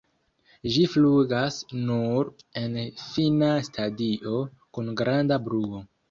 Ĝi flugas nur en fina stadio, kun granda bruo.